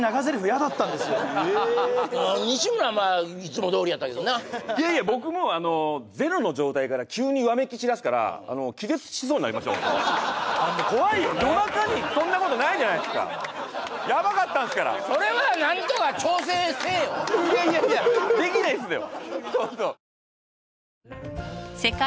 あんな西村まあいつもどおりやったけどないやいや僕もゼロの状態から急にわめきちらすから夜中にそんなことないじゃないですかヤバかったんすからそれは何とか調整せえよいやいやいやできないっすよ